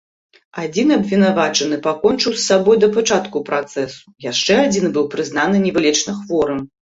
Адзін абвінавачаны пакончыў з сабой да пачатку працэсу, яшчэ адзін быў прызнаны невылечна хворым.